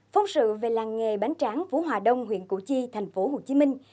phóng sự về làng nghề bánh tráng phú hòa đông huyện củ chi thành phố hồ chí minh